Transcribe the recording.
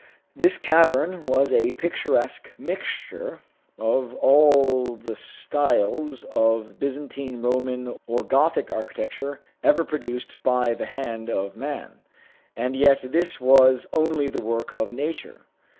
This cavern was a picturesque mixture of all the styles of Byzantine, Roman, or Gothic architecture ever produced by the hand of man. And yet this was only the work of nature.